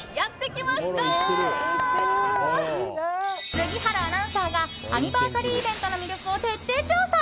杉原アナウンサーがアニバーサリーイベントの魅力を徹底調査！